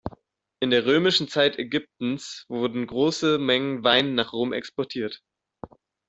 In der römischen Zeit Ägyptens wurden große Mengen Wein nach Rom exportiert.